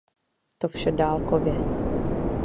To vše dálkově.